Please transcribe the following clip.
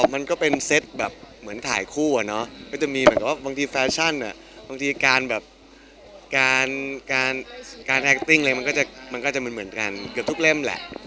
มันก็เป็นเซตเหมือนถ่ายคู่อะมันก็จะมีบางทีแฟชั่นบางทีการแฮคติ้งมันก็จะเหมือนกันเกือบทุกเล่มละ